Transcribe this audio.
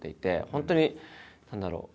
本当に何だろう